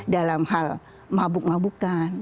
dalam hal mabuk mabukan